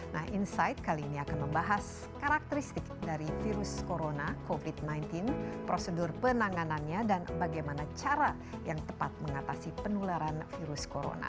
nah insight kali ini akan membahas karakteristik dari virus corona covid sembilan belas prosedur penanganannya dan bagaimana cara yang tepat mengatasi penularan virus corona